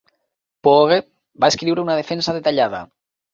Pogge va escriure una defensa detallada.